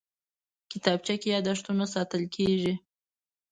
کتابچه کې یادښتونه ساتل کېږي